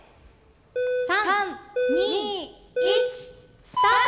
３２１スタート！